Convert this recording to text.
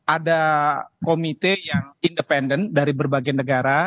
ada komite yang independen dari berbagai negara